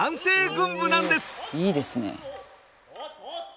おいいですね。